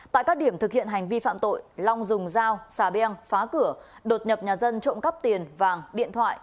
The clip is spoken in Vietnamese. tại các điểm thực hiện hành vi phạm tội long dùng dao xà beng phá cửa đột nhập nhà dân trộm cắp tiền vàng điện thoại